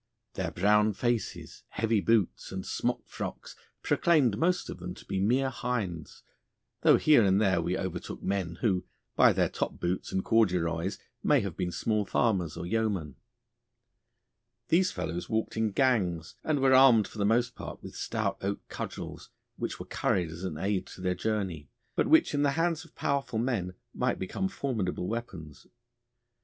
Their brown faces, heavy boots, and smockfrocks proclaimed most of them to be mere hinds, though here and there we overtook men who, by their top boots and corduroys, may have been small farmers or yeomen. These fellows walked in gangs, and were armed for the most part with stout oak cudgels, which were carried as an aid to their journey, but which in the hands of powerful men might become formidable weapons.